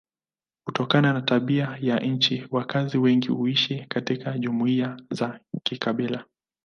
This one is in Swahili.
Kutokana na tabia ya nchi wakazi wengi huishi katika jumuiya za kikabila.